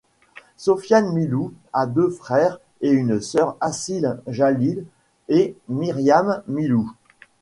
Sofiane Milous a deux frères et une sœur Assil, Jalil et Myriam Milous.